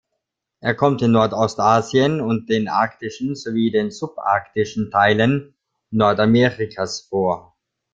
Er kommt in Nordostasien und den arktischen sowie den subarktischen Teilen Nordamerikas vor.